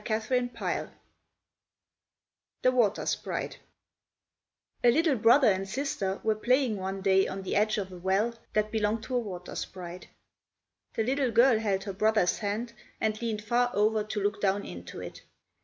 THE WATER SPRITE A little brother and sister were playing one day on the edge of a well that belonged to a water sprite. The little girl held her brother's hand, and leaned far over to look down into it.